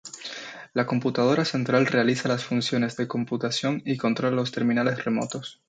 La computadora central realiza las funciones de computación y controla los terminales remotos.